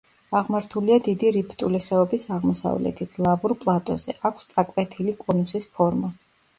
აღმართულია დიდი რიფტული ხეობის აღმოსავლეთით, ლავურ პლატოზე, აქვს წაკვეთილი კონუსის ფორმა.